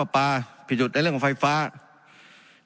การปรับปรุงทางพื้นฐานสนามบิน